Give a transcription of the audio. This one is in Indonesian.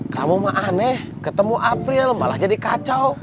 kamu mah aneh ketemu april malah jadi kacau